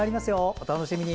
お楽しみに。